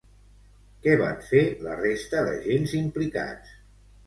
Què van fer la resta d'agents implicats?